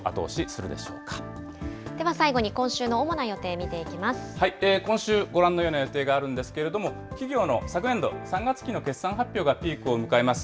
では最後に今週の主な予定見今週、ご覧のような予定があるんですけれども、企業の昨年度・３月期の決算発表がピークを迎えます。